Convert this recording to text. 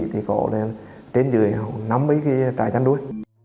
thì có trên dưới năm mươi cái trại chăn nuôi